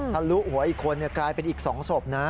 ถ้าลุกหัวอีกคนกลายเป็นอีกสองสบนะ